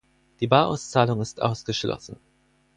Die Barauszahlung ist ausgeschlossen.